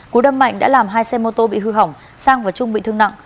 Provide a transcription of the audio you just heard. cú đâm mạnh đã làm hai xe mô tô bị hư hỏng sang và trung bị thương nặng